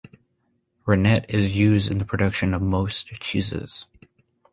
Rennet is used in the production of most cheeses.